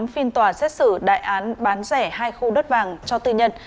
phiên tòa xét xử đại án bán rẻ hai khu đất vàng cho tư nhân